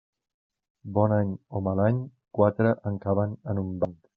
Bon any o mal any, quatre en caben en un banc.